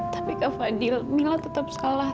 tapi kak fadil mila tetap salah